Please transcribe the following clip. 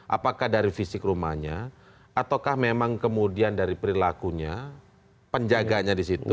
apakah dari fisik rumahnya ataukah memang kemudian dari perilakunya penjaganya di situ